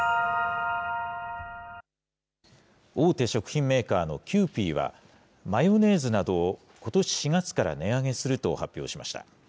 大手食品メーカーのキユーピーは、マヨネーズなどを、ことし４月から値上げすると発表しました。